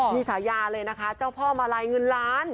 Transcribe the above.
มีสายาเลยนะคะมันเจ้าพอมาไร้เงินล้าน